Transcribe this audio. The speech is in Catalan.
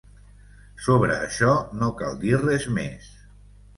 Sobre això, no cal dir res més.